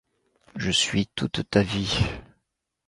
Je suis toute ta vie.